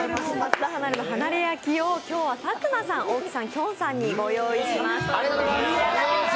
ＨＡＮＡＲＥ焼きを、今日は佐久間さん、大木さん、きょんさんにご用意しました。